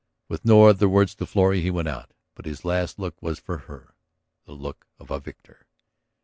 With no other word to Florrie he went out. But his last look was for her, the look of a victor.